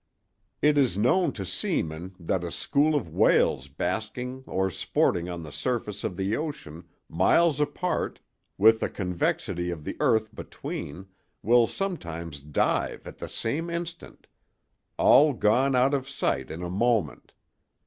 "It is known to seamen that a school of whales basking or sporting on the surface of the ocean, miles apart, with the convexity of the earth between, will sometimes dive at the same instant—all gone out of sight in a moment.